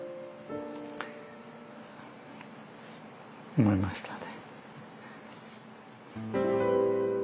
思いましたね。